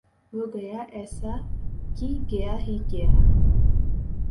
وہ گیا ایسا کی گیا ہی گیا